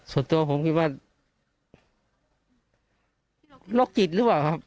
ส่วนตัวผมคิดว่าโรคจิตหรือเปล่าครับ